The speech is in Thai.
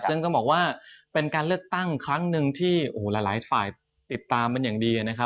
ซึ่งก็บอกว่าเป็นการเลือกตั้งครั้งหนึ่งที่หลายฝ่ายติดตามเป็นอย่างดีนะครับ